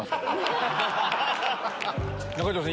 中条さん